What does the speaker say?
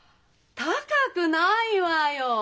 高くないわよ！